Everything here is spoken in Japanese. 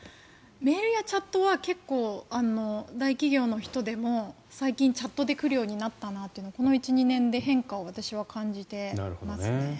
メールやチャットは結構、大企業の人でも最近、チャットで来るようになったなっていうのはこの１２年で変化を感じてますね。